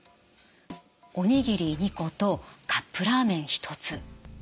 おにぎり２個とカップラーメン１つ。